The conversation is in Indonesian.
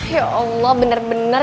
ya allah bener bener